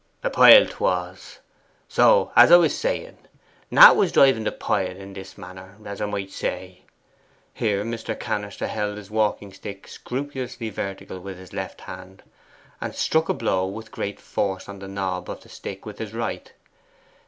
'The pile 'twas. So, as I was saying, Nat was driving the pile in this manner, as I might say.' Here Mr. Cannister held his walking stick scrupulously vertical with his left hand, and struck a blow with great force on the knob of the stick with his right.